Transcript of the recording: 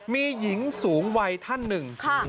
มีหญิงสูงวัยท่านหนึ่ง